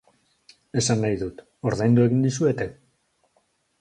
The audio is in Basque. Esan nahi dut, ordaindu egiten dizuete?